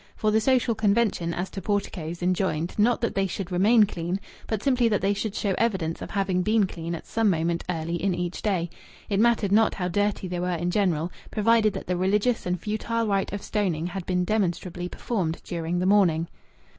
For the social convention as to porticoes enjoined, not that they should remain clean, but simply that they should show evidence of having been clean at some moment early in each day. It mattered not how dirty they were in general, provided that the religious and futile rite of stoning had been demonstrably performed during the morning.